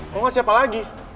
kok ga siapa lagi